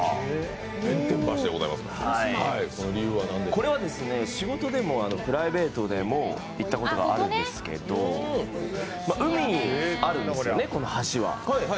これは、仕事でもプライベートでも行ったことがあるんですけど海にあるんですよね、この橋は。